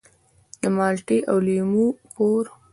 د مالټې او لیمو کور.